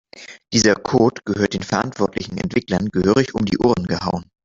Dieser Code gehört den verantwortlichen Entwicklern gehörig um die Ohren gehauen.